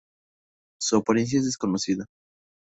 Su apariencia es desconocida.